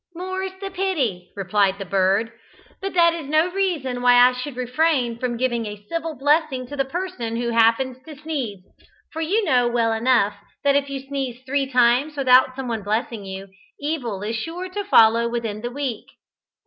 "More's the pity," replied the bird; "but that is no reason why I should refrain from giving a civil blessing to a person who happens to sneeze, for you know well enough that if you sneeze three times without someone blessing you, evil is sure to follow within the week."